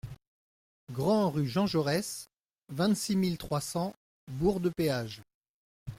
Grand'Rue Jean Jaurès, vingt-six mille trois cents Bourg-de-Péage